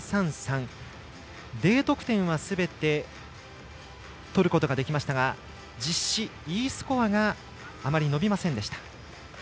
Ｄ得点はすべてとることができましたが実施、Ｅスコアがあまり伸びませんでした。